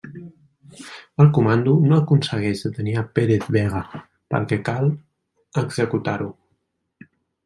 El comando no aconsegueix detenir a Pérez Vega, pel que cal executar-ho.